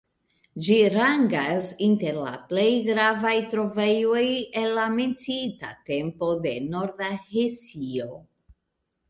Ĝi rangas inter la plej gravaj trovejoj el la menciita tempo en Norda Hesio.